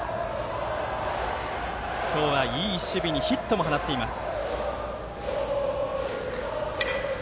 今日はいい守備にヒットも放っています。